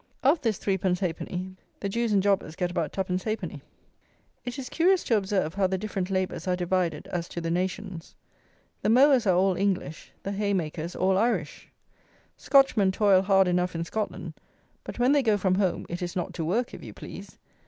Of this threepence halfpenny the Jews and Jobbers get about twopence halfpenny. It is curious to observe how the different labours are divided as to the nations. The mowers are all English; the haymakers all Irish. Scotchmen toil hard enough in Scotland; but when they go from home it is not to work, if you please.